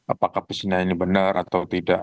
apakah visinya ini benar atau tidak